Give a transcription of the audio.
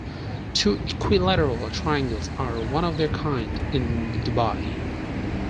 Two equilateral triangles are one of their kind in Dubai.